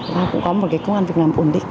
và cũng có một cái công an việc làm ổn định